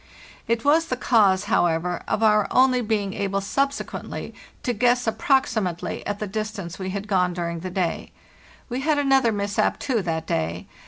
It was the cause, however, of our only being able subsequently to guess approximately at the distance we had gone during the day. We had another mishap, too, that day.